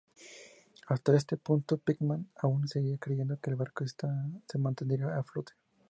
Hasta este punto, Pitman aún seguía creyendo que el barco se mantendría a flote.